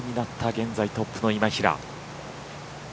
現在トップの今平。